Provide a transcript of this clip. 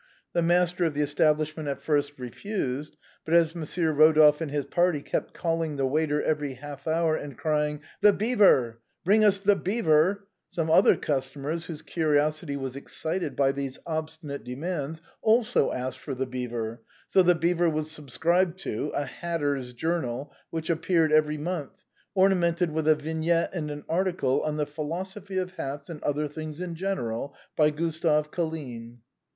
The master of the establishment at first refused; but as Mon sieur Eodolphe and his party kept calling the waiter every half hour, and crying :' The Beaver !' bring us ' The Beaver !' some other customers, whose curiosity was ex cited by these obstinate demands, also asked for ' The Beaver.' So ' The Beaver ' was subscribed to — a hatter's Journal, which appeared every month, ornamented with a vignette and an article on ' The Philosophy of Hats and other things in general,' by Gustave Colline.